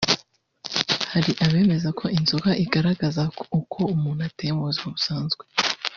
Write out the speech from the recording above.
Hari abemeza ko inzoga igaragaza uko umuntu ateye mu buzima bwe busanzwe